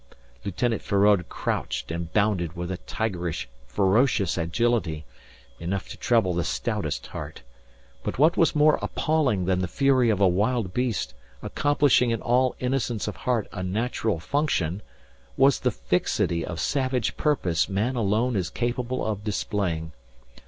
Lieutenant Feraud crouched and bounded with a tigerish, ferocious agility enough to trouble the stoutest heart. But what was more appalling than the fury of a wild beast accomplishing in all innocence of heart a natural function, was the fixity of savage purpose man alone is capable of displaying.